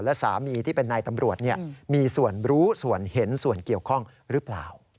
และสามีที่เป็นนายตำรวจมีส่วนรู้ส่วนเห็นส่วนเกี่ยวข้องหรือเปล่า